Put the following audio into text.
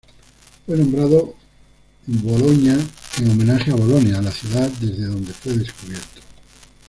Fue nombrado Bologna en homenaje a Bolonia la ciudad desde donde fue descubierto.